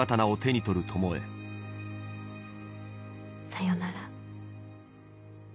「さよなら。